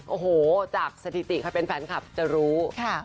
โอ้โหจากสถิติใครเป็นแฟนคลับจะรู้